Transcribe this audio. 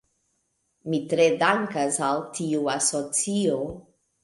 Mi tre dankas al tiu asocio.